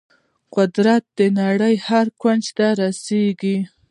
قدرت د نړۍ هر کونج ته رسیږي.